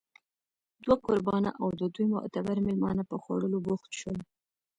دوه کوربانه او د دوی معتبر مېلمانه په خوړلو بوخت شول